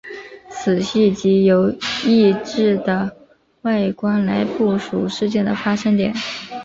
此系藉由异质的外观来部署事件的发生点。